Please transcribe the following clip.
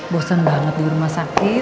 bosen banget di rumah sakit